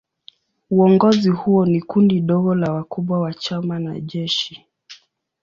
Uongozi huo ni kundi dogo la wakubwa wa chama na jeshi.